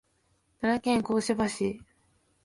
奈良県香芝市